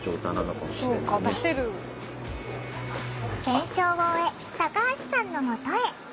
検証を終えタカハシさんのもとへ。